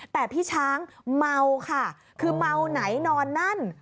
แต่พี่ช้างเมาค่ะคือเมาไหนนอนนั่น